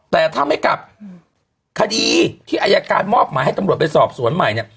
แต่ถ้าไม่กลับคดีที่อายการมอบหมายให้ตำรวจไปสอบสวนใหม่เนี่ย